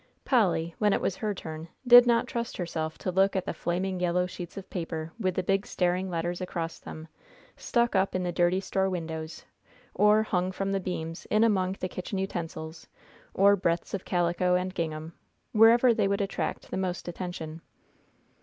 Polly, when it was her turn, did not trust herself to look at the flaming yellow sheets of paper with the big staring letters across them, stuck up in the dirty store windows, or hung from the beams in among the kitchen utensils, or breadths of calico and gingham, wherever they would attract the most attention.